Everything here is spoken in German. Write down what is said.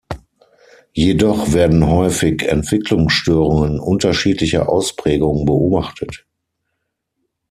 Jedoch werden häufig Entwicklungsstörungen unterschiedlicher Ausprägung beobachtet.